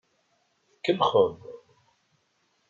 Tkellxeḍ.